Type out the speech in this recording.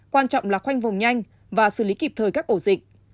quan trọng là khoanh vùng nhanh và xử lý kịp thời các ổ dịch